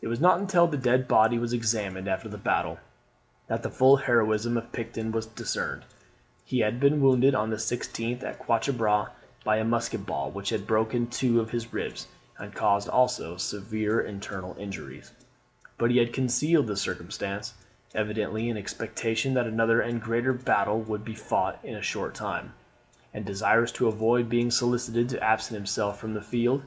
It was not until the dead body was examined after the battle, that the full heroism of Picton was discerned. He had been wounded on the 16th, at Quatre Bras, by a musket ball, which had broken two of his ribs, and caused also severe internal injuries; but he had concealed the circumstance, evidently in expectation that another and greater battle would be fought in a short time, and desirous to avoid being solicited to absent himself from the field.